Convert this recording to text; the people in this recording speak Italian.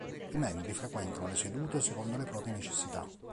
I membri frequentano le sedute secondo le proprie necessità.